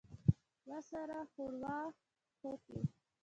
ما سر وښوراوه هوکې.